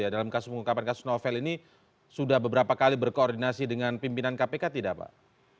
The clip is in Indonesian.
dalam kasus pengungkapan kasus novel ini sudah beberapa kali berkoordinasi dengan pimpinan kpk tidak pak